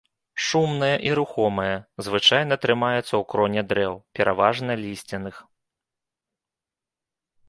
Шумная і рухомая, звычайна трымаецца ў кроне дрэў, пераважна лісцяных.